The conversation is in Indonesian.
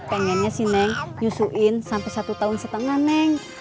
pengennya sih neng nyusuin sampai satu tahun setengah neng